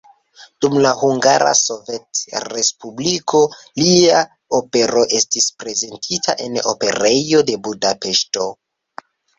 Dum la Hungara Sovetrespubliko lia opero estis prezentita en Operejo de Budapeŝto.